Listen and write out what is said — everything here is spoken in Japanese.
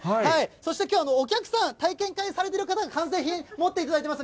そしてきょう、お客さん、体験会されてる方が完成品、持っていただいています。